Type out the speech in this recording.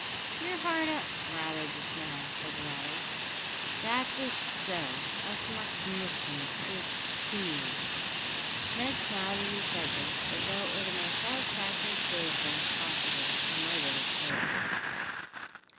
"You're hard up, rather, just now?" said the latter. "'Xactly so, that's my c'ndition to a tee." Ned smiled as he said this, as though it were the most satisfactory state of things possible, and lighted his pipe.